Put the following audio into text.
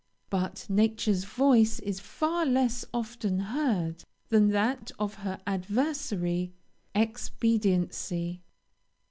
But Nature's voice is far less often heard than that of her adversary, expediency.